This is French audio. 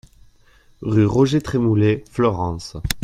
Rue Roger Trémoulet, Fleurance